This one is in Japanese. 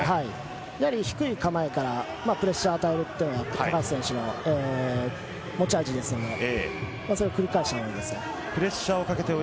やはり低い構えからプレッシャーを与えて高橋選手の持ち味ですのでその繰り返したほうがいいですね。